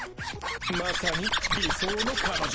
まさに理想の彼女。